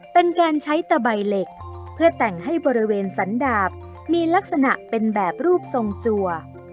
เป็นการใช้ตะใบเหล็กเพื่อแต่งให้บริเวณสันดาบมีลักษณะเป็นแบบรูปทรงจัว